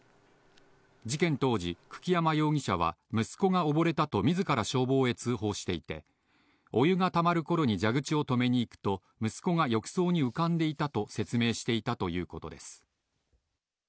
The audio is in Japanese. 事件当時、久木山容疑者は息子が溺れたとみずから消防へ通報していて、お湯がたまるころに蛇口を止めに行くと、息子が浴槽に浮かんでいたと説明していたということです。